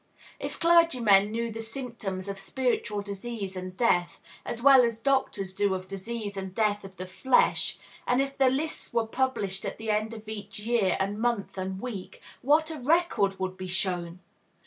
If clergymen knew the symptoms of spiritual disease and death, as well as doctors do of disease and death of the flesh, and if the lists were published at end of each year and month and week, what a record would be shown!